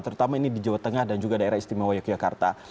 terutama ini di jawa tengah dan juga daerah istimewa yogyakarta